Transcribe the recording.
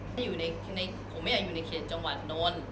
ฉันอยู่ในผมอย่าอยู่ในเขตจังหวัดนนตร์